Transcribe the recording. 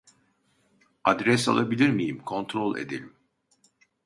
Adres alabilir miyim kontrol edelim